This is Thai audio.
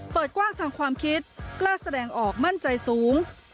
เปิดกว้างทางความคิดกล้าแสดงออกมั่นใจสูง